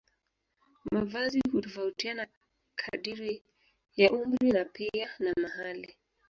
Mavazi hutofautiana kadiri ya umri na pia na mahali